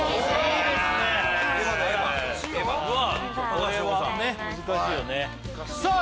これはね難しいよねさあ